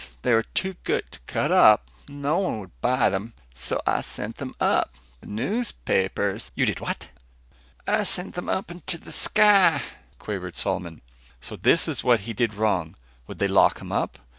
They were too good to cut up. No one would buy them. So I sent them up. The newspapers " "You did what?" "I sent them into the sky," quavered Solomon. So this is what he did wrong. Would they lock him up?